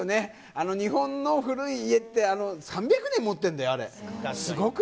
あの日本の古い家って、３００年もってるんだよ、あれ。